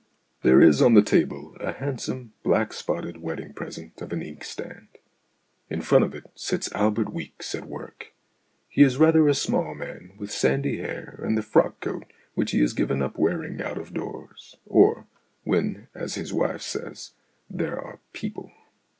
There is on the table a handsome, black spotted wedding present of an inkstand. In front of it sits Albert Weeks at work. He is rather a small man with sandy hair, and the frock coat which he has given up wearing out of doors, or when, as his wife says, " there are people."